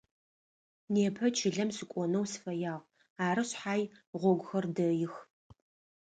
Непэ чылэм сыкӏонэу сыфэягъ, ары шъхьай гъогухэр дэих.